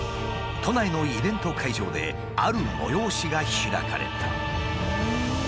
都内のイベント会場である催しが開かれた。